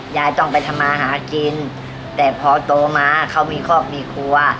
ยายต้องไปทำมาหากินแต่พอโตมาเขามีครอบครัวมีครัว